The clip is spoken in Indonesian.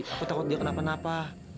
aku takut dia kenapa napa